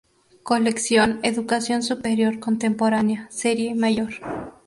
Colección Educación Superior Contemporánea Serie Mayor.